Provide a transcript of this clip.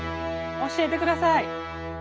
教えてください！